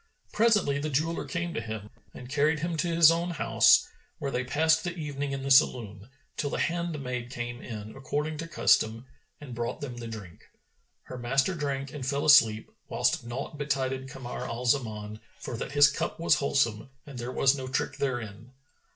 Presently the jeweller came to him and carried him to his own house, where they passed the evening in the saloon, till the handmaid came in according to custom, and brought them the drink. Her master drank and fell asleep, whilst naught betided Kamar al Zaman for that his cup was wholesome and there was no trick therein.